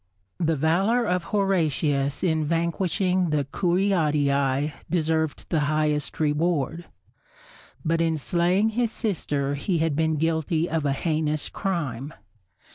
The valour of Horatius in vanquishing the Curiatii deserved the highest reward. But in slaying his sister he had been guilty of a heinous crime.